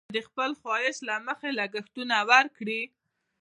که د خپل خواهش له مخې لګښتونه وکړي.